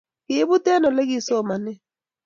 Kiibut eng Ole kisomanee